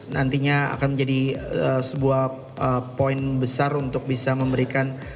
nantinya akan menjadi sebuah poin besar untuk bisa memberikan